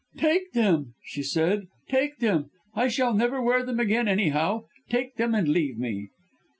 'Take them,' she said, 'take them! I shall never wear them again, anyhow. Take them and leave me.'